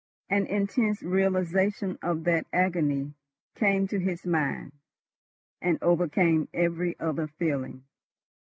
An intense realisation of that agony came to his mind, and overcame every other feeling.